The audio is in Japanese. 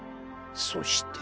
そして」。